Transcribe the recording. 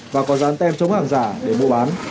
và có dán tem chống hàng giả để mua bán